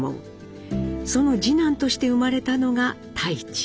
その次男として生まれたのが太市。